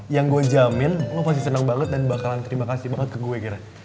yang gue jamin lo pasti senang banget dan bakalan terima kasih banget ke gue kira kira